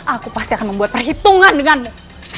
aku pasti akan membuat perhitungan denganmu